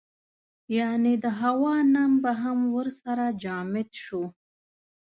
یعنې د هوا نم به هم ورسره جامد شو.